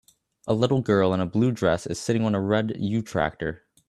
A little girl in a blue dress is sitting on a red you tractor